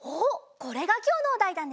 これがきょうのおだいだね。